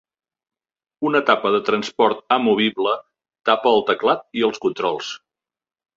Una tapa de transport amovible tapa el teclat i els controls.